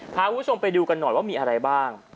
พาคุณผู้ชมไปดูกันหน่อยว่ามีอะไรบ้าง